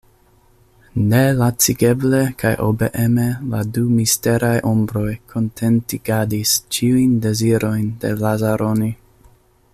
Nelacigeble kaj obeeme la du misteraj ombroj kontentigadis ĉiujn dezirojn de Lazaroni.